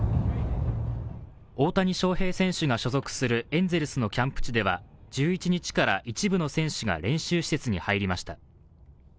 大谷翔平選手が所属するエンゼルスのキャンプ地では１１日から一部の選手が練習施設に入りました。